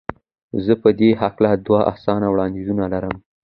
زه په دې هکله دوه اسانه وړاندیزونه لرم.